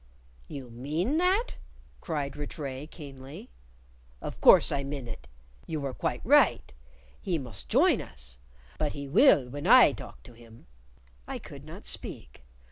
"You mean that?" cried Rattray keenly. "Of course I min it. You were quite right. He must join us. But he will when I talk to him." I could not speak.